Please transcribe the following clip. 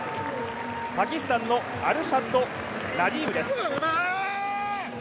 パキスタンのアルシャド・ナディームです。